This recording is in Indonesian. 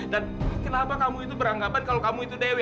dan kenapa kamu itu beranggapan kalau kamu itu dewi